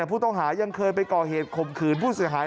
ผู้ต้องหายังเคยไปก่อเหตุข่มขืนผู้เสียหาย